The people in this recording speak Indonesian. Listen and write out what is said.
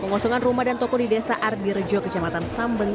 pengosongan rumah dan toko di desa ardirejo kecamatan sambeng